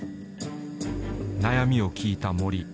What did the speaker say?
悩みを聞いた森。